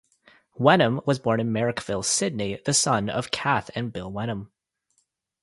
Wenham was born in Marrickville, Sydney, the son of Kath and Bill Wenham.